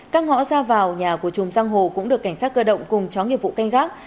các ngõ ra vào nhà của chùm giang hồ cũng được cảnh sát cơ động cùng chó nghiệp vụ canh gác